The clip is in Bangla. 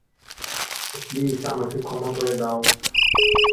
প্লিজ, আমাকে ক্ষমা করে দাও।